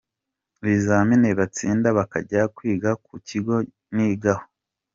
ibizamini batsinda bakajya kwiga ku kigo nigaho.